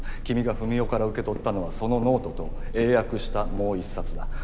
君が文雄から受け取ったのはそのノートと英訳したもう一冊だ。